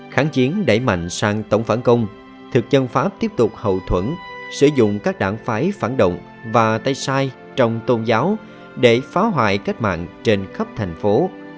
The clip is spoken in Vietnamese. kháng chiến đẩy mạnh sang tổng phản công thực dân pháp tiếp tục hậu thuẫn sử dụng các đảng phái phản động và tay sai trong tôn giáo để phá hoại cách mạng trên khắp thành phố